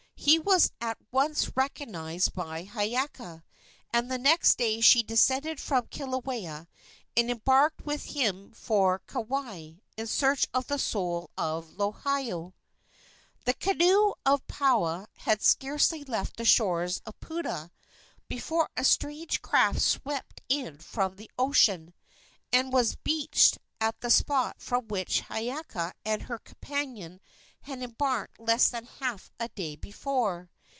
He was at once recognized by Hiiaka, and the next day she descended from Kilauea and embarked with him for Kauai in search of the soul of Lohiau. The canoe of Paoa had scarcely left the shores of Puna before a strange craft swept in from the ocean, and was beached at the spot from which Hiiaka and her companion had embarked less than half a day before.